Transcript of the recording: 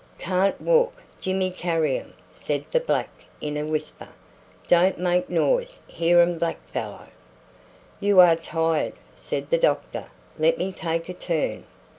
"Can't walk Jimmy carry um," said the black in a whisper. "Don't make noise hear um black fellow." "You are tired," said the doctor; "let me take a turn."